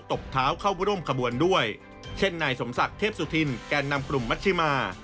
บเท้าเข้าร่วมขบวนด้วยเช่นนายสมศักดิ์เทพสุธินแก่นำกลุ่มมัชชิมา